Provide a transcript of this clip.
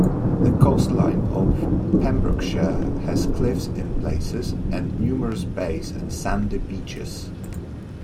The coastline of Pembrokeshire has cliffs in places, and numerous bays and sandy beaches.